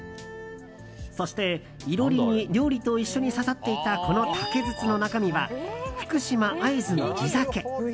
そして、囲炉裏に料理と一緒に刺さっていたこの竹筒の中身は福島・会津の地酒。